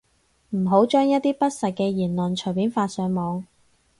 唔好將一啲不實嘅言論隨便發上網